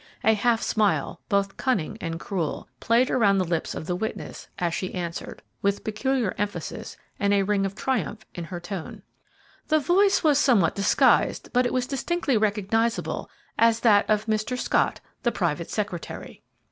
A half smile, both cunning and cruel, played around the lips of the witness, as she answered, with peculiar emphasis and with a ring of triumph in her tone, "The voice was somewhat disguised, but it was distinctly recognizable as that of Mr. Scott, the private secretary."